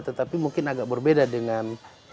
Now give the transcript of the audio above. tetapi mungkin agak berbeda dengan